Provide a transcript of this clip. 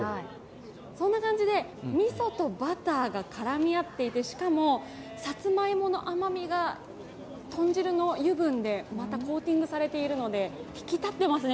そんな感じで、みそとバターが絡み合っていてしかもさつまいもの甘みが豚汁の油分でまたコーティングされているので引き立っていますね。